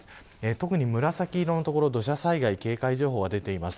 特に紫色の所土砂災害警戒情報が出ています。